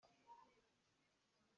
Ka lungthli tein kan ngai ngaingai.